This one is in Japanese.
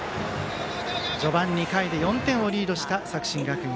序盤２回で４点をリードした作新学院。